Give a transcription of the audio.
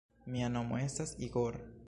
Mia nomo estas Igor.